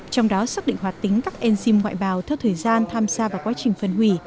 trong đó xác định hoạt tính các enzym ngoại bào thơ thời gian tham gia vào quá trình phân hủy